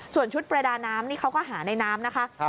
ส่วนชุดประดาน้ำนี่เขาก็หาในน้ำนะคะ